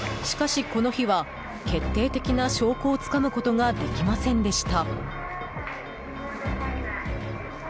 しかし、この日は決定的な証拠をつかむことができませんでした。